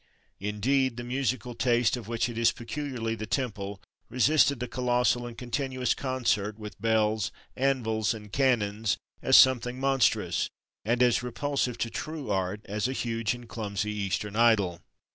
Indeed, the musical taste of which it is peculiarly the temple resisted the colossal and continuous concert with bells, anvils, and cannon as something monstrous, and as repulsive to true art as a huge and clumsy Eastern idol.